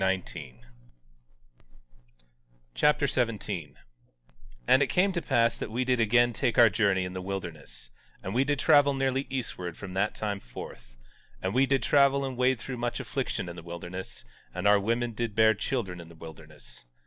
1 Nephi Chapter 17 17:1 And it came to pass that we did again take our journey in the wilderness; and we did travel nearly eastward from that time forth. And we did travel and wade through much affliction in the wilderness; and our women did bear children in the wilderness.